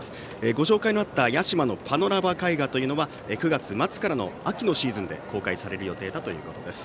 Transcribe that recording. ご紹介のあった屋島のパノラマ絵画は９月末からの秋のシーズンで公開される予定ということです。